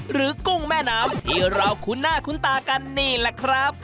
หรือกุ้งแม่น้ำที่เราคุณ่าคุณตากันนี่แหละครับ